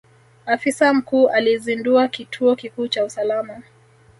Afisa mkuu alizundua kituo kikuu cha usalama.